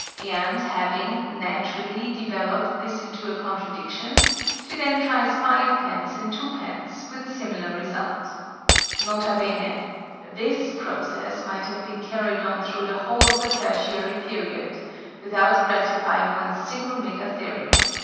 And, having (naturally) developed this into a contradiction, she then tries 5_d._ and 2_d._ with a similar result. (N.B. This process might have been carried on through the whole of the Tertiary Period, without gratifying one single Megatherium.)